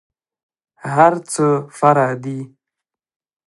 هرڅه فرع دي.